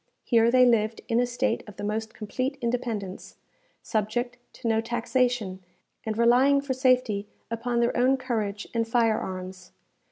Here they lived in a state of the most complete independence, subject to no taxation, and relying for safety upon their own courage and fire arms.